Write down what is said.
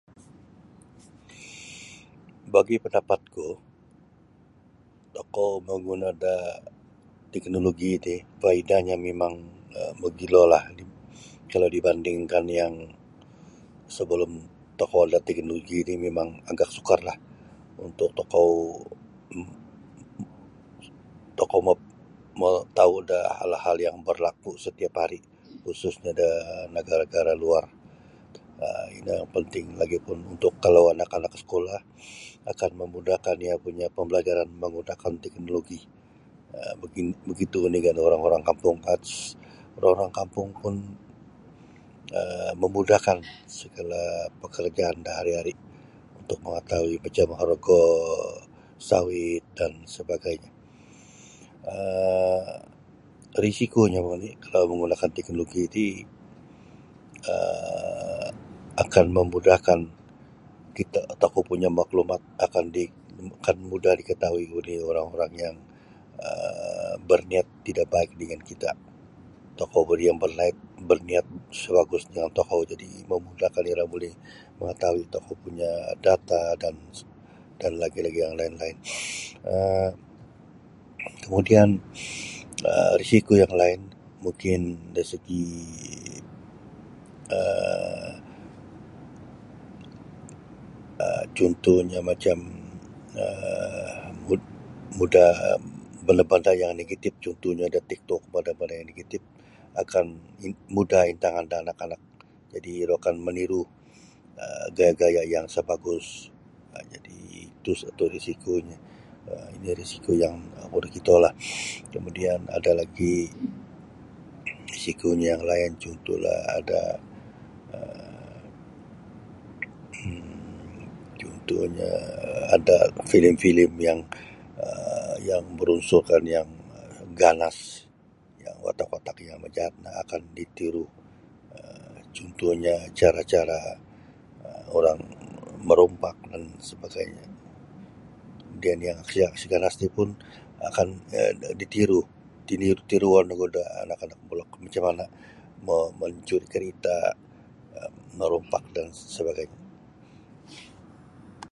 Bagi pandapatku tokou mangguna da teknoloji ti faidahnyo mimang um mogilolah kalau dibandingkan yang sebelum tokou ada teknoloji ri mimang agak sukarlah untuk tokou um tokou mo mau' tau' da hal-hal yang barlaku setiap hari' khususnyo da nagara'-nagara' luar um ino yang penting lagi pun untuk kalau anak-anak sekolah akan memudahkan iyo punyo pembelajaran manggunakan teknoloji um begitu juga dengan orang-orang kampung um orang-orang kampung pun um memudahkan sagala pakarjaan do hari-hari untuk mengetahui macam orgo sawit dan sebagainyo um Risikonyo lagi kalau manggunakan teknoloji ti um akan mamudahkan kita tokou punyo maklumat akan di akan mudah diketahui oleh orang-orang yang um barniat tidak baik dengan kita' tokou yang barniat isa bagus da tokou jadi mamudahkan iro buli mangatahui tokou punya' data dan lagi-lagi' yang lain-lain um. Kemudian um risiko yang lain mungkin dari segi um cuntuhnyo macam um mud mudah banda'-banda' yang negatif cuntuhnyo da tik tok banda-banda yang negatif akan mudah intangan da anak-anak jadi' iro akan maniru da gaya'-gaya' yang sa bagus jadi' itu satu risikonyo ino risiko yang oku nakitolah kemudian ada lagi risikonyo yang lain cuntuhlah ada um cuntuhnyo ada filem-filem yang um yang berunsurkan yang ganas yang watak-watak yang majaat no akan ditiru um cuntuhnyo cara-cara orang merompak dan sebagainya dan yang aksi-aksi ganas ni pun akan ditiru tiiniro tiruon ogu da anak-anak mamulok macam mana' mau mancuri' kereta um marompak dan sebagainya.